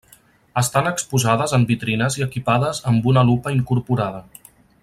Estan exposades en vitrines i equipades amb una lupa incorporada.